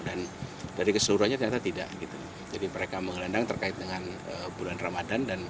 dan dari keseluruhannya ternyata tidak jadi mereka menggelendang terkait dengan bulan ramadan